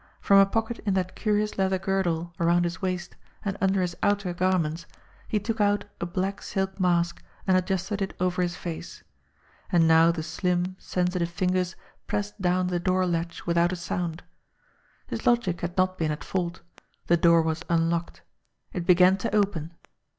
From a pocket in that curious leather girdle around his waist and under his outer garments he took out a black silk mask and adjusted it over his face. And now the slim, sensitive ringers pressed down the door latch without a sound. His logic had not been at fault. The door was unlocked. It began to open.